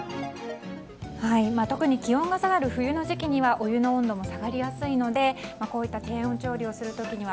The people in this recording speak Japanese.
特に気温が下がる冬の時期にはお湯の温度も下がりやすいのでこういった低温調理をする際は